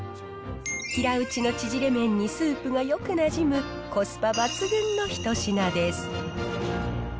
平打ちの縮れ麺にスープがよくなじむ、コスパ抜群の一品です。